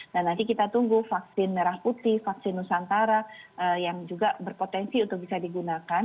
nah nanti kita tunggu vaksin merah putih vaksin nusantara yang juga berpotensi untuk bisa digunakan